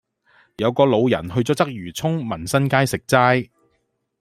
有個老人去左鰂魚涌民新街食齋